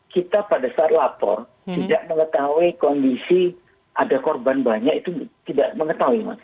kita pada saat lapor tidak mengetahui kondisi ada korban banyak itu tidak mengetahui mas